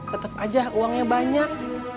tetep aja uangnya banyak